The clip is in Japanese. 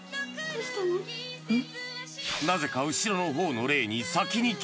うん？